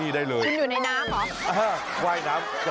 นี่อยู่ในน้ำเหรอ